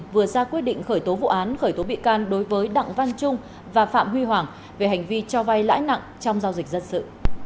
vừa ra quyết định khởi tố vụ án khởi tố bị can đối với đặng văn trung và phạm huy hoàng về hành vi cho vay lãi nặng trong giao dịch dân sự